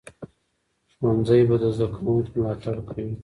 ښوونځی به د زده کوونکو ملاتړ کوي.